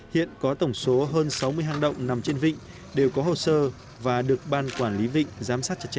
hiện có tổng số hơn sáu mươi hang động nằm trên vịnh đều có hồ sơ và được ban quản lý vịnh giám sát chặt chẽ